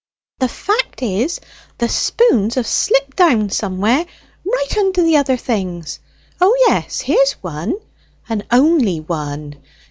"The fact is, the spoons have slipped down somewhere; right under the other things. O yes, here's one, and only one.